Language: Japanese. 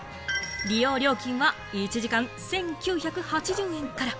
利用料金は１時間１９８０円から。